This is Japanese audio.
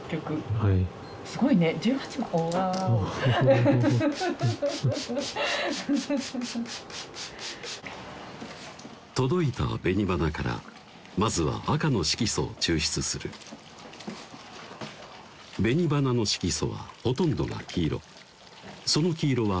ふんはい届いた紅花からまずは赤の色素を抽出する紅花の色素はほとんどが黄色その黄色は水に溶ける性質を持つ